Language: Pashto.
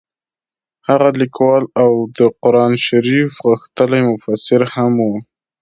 هغه لیکوال او د قران شریف غښتلی مبصر هم وو.